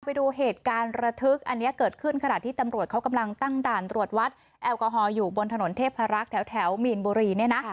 ไปดูเหตุการณ์ระทึกอันนี้เกิดขึ้นขณะที่ตำรวจเขากำลังตั้งด่านตรวจวัดแอลกอฮอลอยู่บนถนนเทพรักษ์แถวมีนบุรีเนี่ยนะ